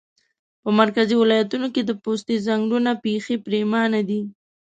په مرکزي ولایتونو کې د پوستې ځنګلونه پیخي پرېمانه دي